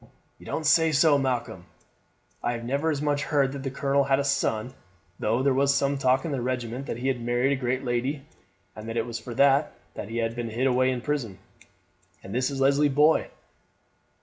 "You don't say so, Malcolm! I never as much heard that the colonel had a son, though there was some talk in the regiment that he had married a great lady, and that it was for that that he had been hid away in prison. And this is Leslie's boy!